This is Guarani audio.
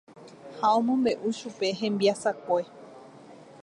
Ha omombe'u chupe hembiasakue.